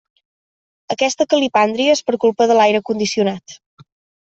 Aquesta calipàndria és per culpa de l'aire condicionat.